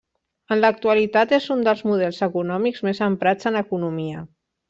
En l'actualitat és un dels models econòmics més emprats en economia.